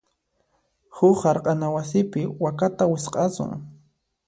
Huk hark'ana wasipi wakata wisq'asun.